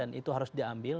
dan itu harus diambil